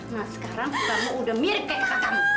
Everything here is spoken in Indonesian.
nah sekarang kamu udah mirip kayak kakak kamu